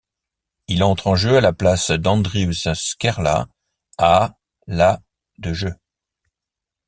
Il entre en jeu à la place d'Andrius Skerla à la de jeu.